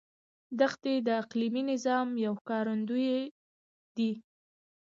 دښتې د اقلیمي نظام یو ښکارندوی دی.